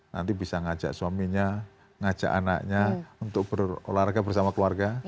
nanti bisa ngajak suaminya ngajak anaknya untuk berolahraga bersama keluarga